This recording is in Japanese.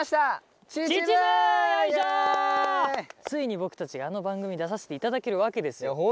ついに僕たちあの番組に出させて頂けるわけですよ。